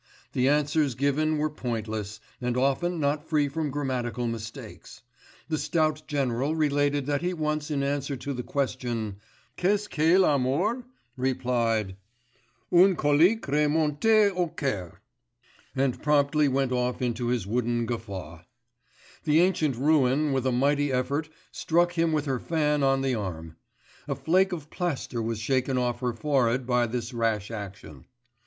The answers given were pointless, and often not free from grammatical mistakes; the stout general related that he had once in answer to the question: Qu'est ce que l'amour? replied, Une colique remontée au cœur, and promptly went off into his wooden guffaw; the ancient ruin with a mighty effort struck him with her fan on the arm; a flake of plaster was shaken off her forehead by this rash action.